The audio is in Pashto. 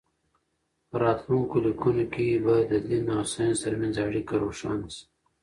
په راتلونکو لیکنو کې به د دین او ساینس ترمنځ اړیکه روښانه شي.